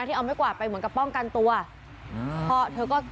อ่ะที่เอาไว้ก่อไปเหมือนกับป้องกันตัวเพราะเธอก็